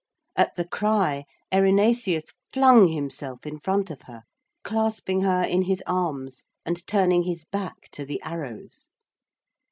At the cry Erinaceus flung himself in front of her, clasping her in his arms and turning his back to the arrows.